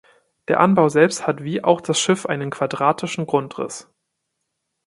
Der Anbau selbst hat wie auch das Schiff einen quadratischen Grundriss.